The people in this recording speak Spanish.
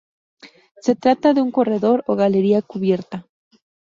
Se trata de un corredor o galería cubierta.